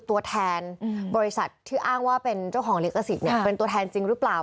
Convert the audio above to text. ตัวแทนบริษัทที่อ้างว่าเป็นเจ้าของลิขสิทธิ์เป็นตัวแทนจริงหรือเปล่า